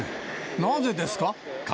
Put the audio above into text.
なぜですか？